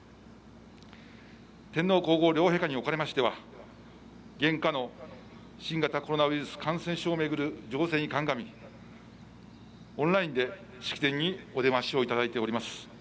天皇皇后両陛下におかれましては現下の新型コロナウイルス感染症を巡る情勢に鑑みオンラインで式典にお出ましをいただいております。